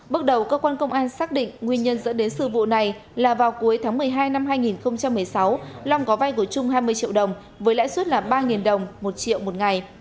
bước đầu cơ quan công an xác định nguyên nhân dẫn đến sự vụ này là vào cuối tháng một mươi hai năm hai nghìn một mươi sáu long có vay của trung hai mươi triệu đồng với lãi suất là ba đồng một triệu một ngày